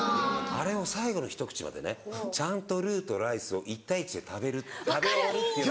あれを最後のひと口までねちゃんとルーとライスを１対１で食べる食べ終わるっていうのが。